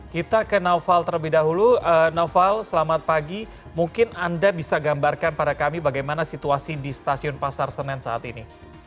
kita ke naufal terlebih dahulu naufal selamat pagi mungkin anda bisa gambarkan pada kami bagaimana situasi di stasiun pasar senen saat ini